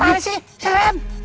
macam mana sih serem